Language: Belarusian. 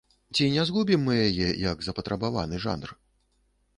Ці не згубім мы яе як запатрабаваны жанр?